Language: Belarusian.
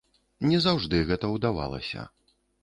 Не заўжды гэта ўдавалася.